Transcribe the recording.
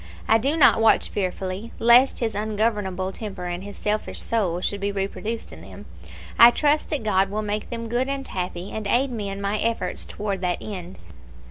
I do not watch fearfully, lest his ungovernable temper and his selfish soul should be reproduced in them. I trust that God will make them good and happy, and aid me in my efforts towards that end.